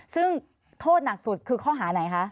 ซึ่งโทษหนักสุดคือข้อหาไหนคะ